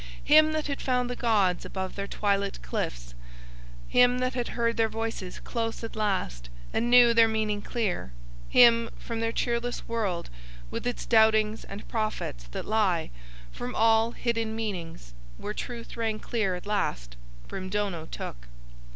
Him that had found the gods above Their twilit cliffs, him that had heard Their voices close at last and knew Their meaning clear, him, from the cheerless world with its doubtings and prophets that lie, from all hidden meanings, where truth rang clear at last, Brimdono took."